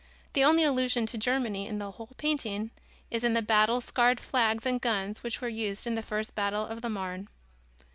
The only allusion to Germany in the whole painting is in the battle scarred flags and guns which were used in the first battle of the Marne.